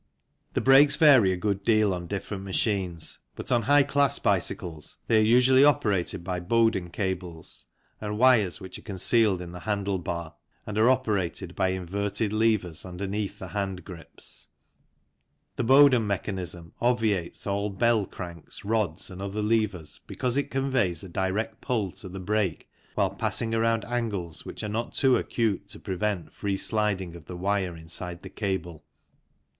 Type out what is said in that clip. The brakes vary a good deal on different machines, but on high class bicycles they are usually operated by Bowden cables and wires which are concealed in the handle bar and are operated by inverted levers underneath the hand grips. The Bowden mechanism obviates all bell cranks, rods, and other levers because it conveys a direct pull to the brake while passing FROM STORES TO RAILWAY DRAY 39 around angles which are not too acute to prevent free sliding of the wire inside the cable.